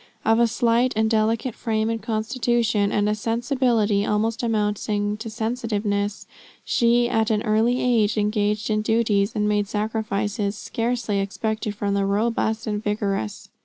Of a slight and delicate frame and constitution, and a sensibility almost amounting to sensitiveness, she at an early age engaged in duties and made sacrifices scarcely expected from the robust and vigorous.